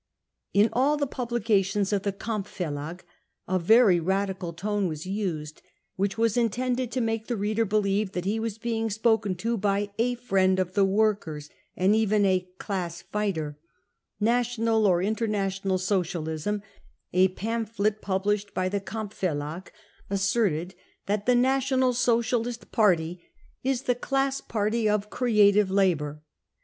In all the publications of the Kampf Verlag a* very 44 radical 55 tone wasjused, which was intended to make the reader believe that he was being spoken to by a 44 friend of the workers 55 and even a 44 class fighter,* 5 " National or International Socialism, 55 a pamphlet published by the Kampf Verlag, asserted that 44 The National Socialist Party is the class party of creative labour.